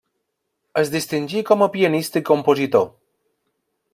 Es distingí com a pianista i compositor.